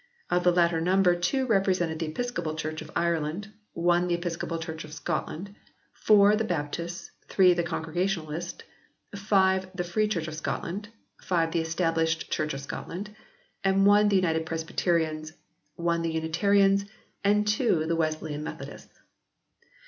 Of the latter number two represented the Episcopal Church of Ireland, one the Episcopal Church of Scotland, four the Baptists, three the Congregationalists, five the Free Church of Scotland, five the Established Church of Scotland, one the United Presbyterians, one the Unitarians, and two the Wesleyan Methodists.